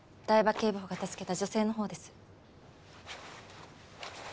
警部補が助けた女性のほうです。